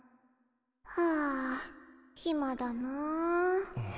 はあひまだなあ。